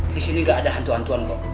disini gak ada hantu hantuan kok